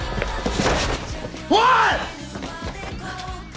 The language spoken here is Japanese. おい！！